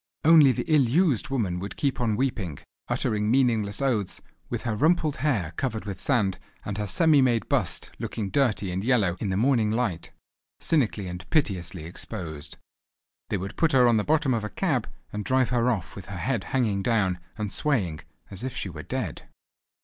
Only the ill used woman would keep on weeping, uttering meaningless oaths, with her rumpled hair covered with sand, and her semi made bust looking dirty and yellow in the morning light, cynically and piteously exposed. They would put her on the bottom of a cab and drive her off with her head hanging down, and swaying, as if she were dead.